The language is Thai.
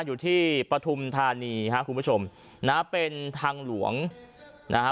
อยู่ที่ปฐุมธานีค่ะคุณผู้ชมนะเป็นทางหลวงนะฮะ